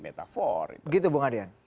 metaforik begitu bu nganian